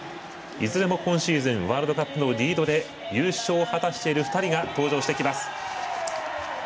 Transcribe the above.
いずれも今シーズンワールドカップのリードで優勝を果たしている２人が登場してきます。